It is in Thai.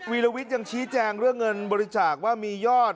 ลวิทย์ยังชี้แจงเรื่องเงินบริจาคว่ามียอด